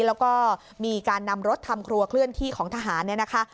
แล้วก็มีการนำรถทำครัวเคลื่อนที่ของทหารเนี่ยนะคะ